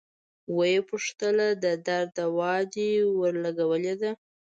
ويې پوښتله د درد دوا دې ورلګولې ده.